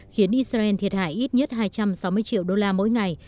khiến israel thiệt hại ít nhất hai trăm sáu mươi triệu đô la mỗi ngày